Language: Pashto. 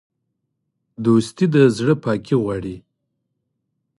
دوستي د زړه پاکي غواړي.